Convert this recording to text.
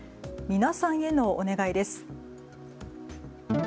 皆さんへのお願いです。